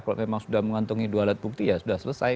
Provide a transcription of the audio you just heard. kalau memang sudah mengantungi dua alat bukti ya sudah selesai